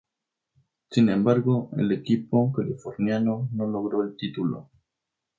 Sin embargo, el equipo californiano no logró el título.